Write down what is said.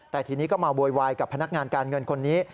แต่ทีนี้ก็มาโวยวายกับพนักงานการเงินคนนี้